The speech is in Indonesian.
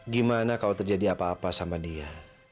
gimana kalau terjadi apa apa sama dia